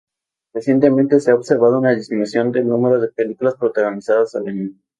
Recientemente se ha observado una disminución del número de películas protagonizadas al año.